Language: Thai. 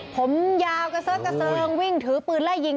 ผมยาวกระเซิงวิ่งถือปืนไล่ยิง